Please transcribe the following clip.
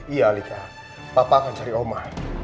iya lika papa akan cari oma